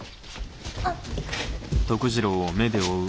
あっ。